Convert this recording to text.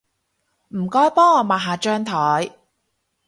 唔該幫我抹下張枱